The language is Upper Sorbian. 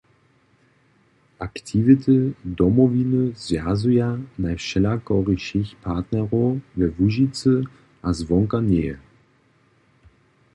Aktiwity Domowiny zwjazuja najwšelakorišich partnerow we Łužicy a zwonka njeje.